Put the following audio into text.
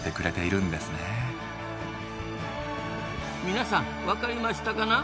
皆さん分かりましたかな？